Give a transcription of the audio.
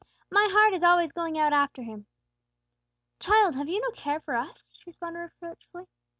My heart is always going out after Him!" "Child, have you no care for us?" she responded reproachfully.